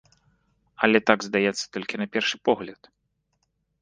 Але так здаецца толькі на першы погляд.